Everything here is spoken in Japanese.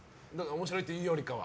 面白いというよりかは？